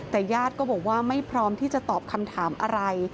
แต่ญาติก็บอกว่าไม่พร้อมที่จะตอบคำถามอะไร